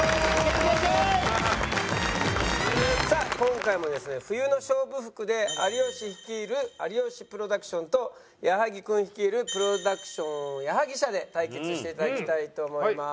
さあ今回もですね冬の勝負服で有吉率いる有吉プロダクションと矢作君率いるプロダクション矢作舎で対決していただきたいと思います。